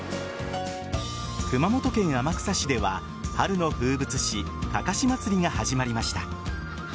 熊本県天草市では春の風物詩かかしまつりが始まりました。